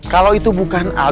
kalau itu bukan al